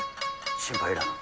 心配いらぬ。